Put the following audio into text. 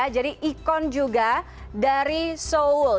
jadi ikon juga dari seoul